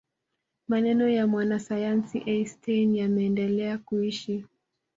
maneno ya mwanasayansi einstein yameendelea kuishi